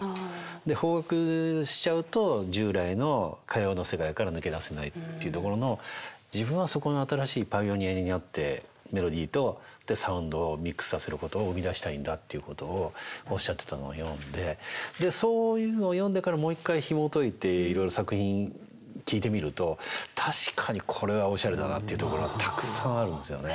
で邦楽しちゃうと従来の歌謡の世界から抜け出せないっていうところの自分はそこの新しいパイオニアになってメロディーとサウンドをミックスさせることを生み出したいんだということをおっしゃってたのを読んでそういうのを読んでからもう一回ひもといていろいろ作品聴いてみると確かにこれはおしゃれだなっていうところがたくさんあるんですよね。